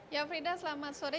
ya frida selamat sore